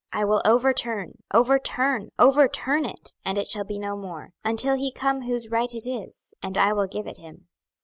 26:021:027 I will overturn, overturn, overturn, it: and it shall be no more, until he come whose right it is; and I will give it him.